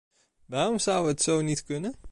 Waarom zou het zo niet kunnen?